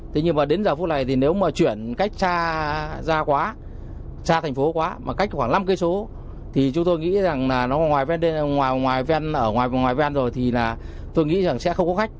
thế nhưng mà đến giờ phút này thì nếu mà chuyển cách cha ra quá cha thành phố quá mà cách khoảng năm km thì chúng tôi nghĩ rằng là nó ngoài ở ngoài ven rồi thì là tôi nghĩ rằng sẽ không có khách